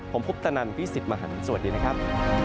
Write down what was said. ผมคุปตนันพี่สิทธิ์มหันฯสวัสดีนะครับ